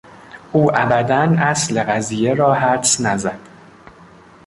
او ابدا اصل قضیه را حدس نزد.